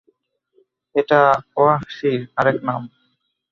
এটা ওয়াহ্শীর আরেক নাম।